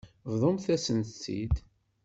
Bḍumt-asent-tt-id.